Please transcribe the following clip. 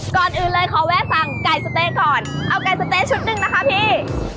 ก่อนอื่นเลยขอแวะสั่งไก่สะเต๊ะก่อนเอาไก่สะเต๊ะชุดหนึ่งนะคะพี่